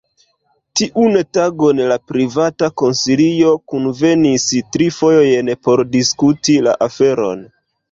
Tiun tagon la Privata Konsilio kunvenis tri fojojn por diskuti la aferon.